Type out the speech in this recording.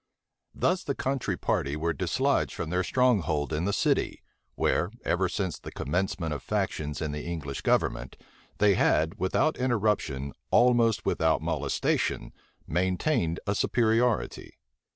Thus the country party were dislodged from their stronghold in the city; where, ever since the commencement of factions in the English government, they had, without interruption, almost without molestation, maintained a superiority.